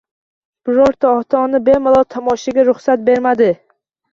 Birorta ota-ona bemolol tomoshaga ruxsat bermadi